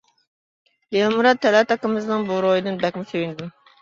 دىلمۇرات تەلئەت ئاكىمىزنىڭ بۇ روھىدىن بەكمۇ سۆيۈندۈم.